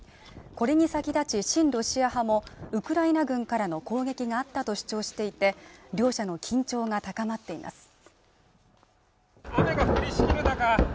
これに先立ち親ロシア派もウクライナ軍からの攻撃があったと主張していて両者の緊張が高まっています